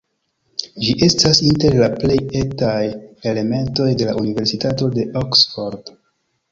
Ĝi estas inter la plej etaj elementoj de la Universitato de Oksfordo.